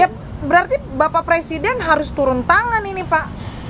berarti bapak presiden harus turun tangan ini pak